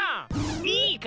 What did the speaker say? いいか？